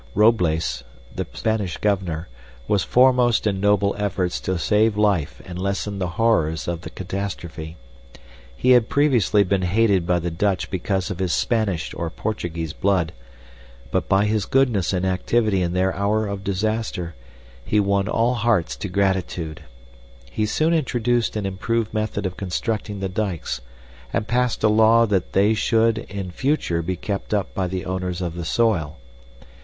Robles, the Spanish governor, was foremost in noble efforts to save life and lessen the horrors of the catastrophe. He had previously been hated by the Dutch because of his Spanish or Portuguese blood, but by his goodness and activity in their hour of disaster, he won all hearts to gratitude. He soon introduced an improved method of constructing the dikes and passed a law that they should in future be kept up by the owners of the soil.